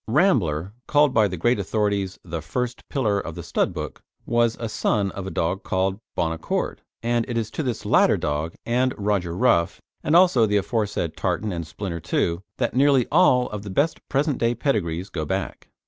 Rambler called by the great authorities the first pillar of the stud book was a son of a dog called Bon Accord, and it is to this latter dog and Roger Rough, and also the aforesaid Tartan and Splinter II. that nearly all of the best present day pedigrees go back.